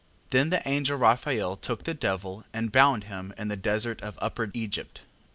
8:3. Then the angel Raphael took the devil, and bound him in the desert of upper Egypt. 8:4.